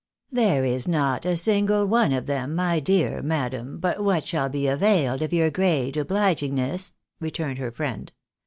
" There is not a single one of them, my dear madam, but what shall be availed of your great obligingness," returned her friend.